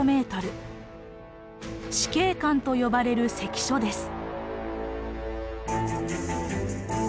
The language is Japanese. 紫荊関と呼ばれる関所です。